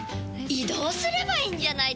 移動すればいいんじゃないですか？